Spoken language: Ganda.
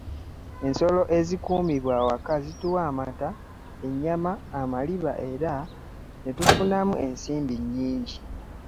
Ensolo ezikuumibwa awaka zituwa amata, ennyama, amaliba era netubifunamu ensimbi nnyingi.